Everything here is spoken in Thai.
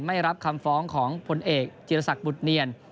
ไม่รับคำฟ้องของผลเอกจิรษักบุตรเนียน